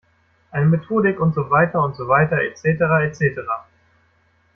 Eine Methodik und so weiter und so weiter, et cetera, et cetera.